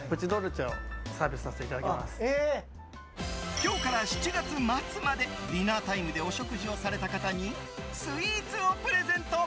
今日から７月末までディナータイムでお食事をされた方にスイーツをプレゼント。